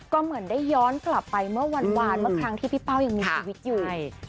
ก็เหมือนได้ย้อนกลับไปเมื่อวานเมื่อครั้งที่พี่เป้ายังมีชีวิตอยู่